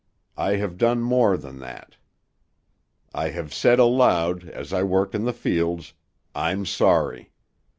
I have done more than that. I have said aloud, as I worked in the fields, 'I'm sorry.'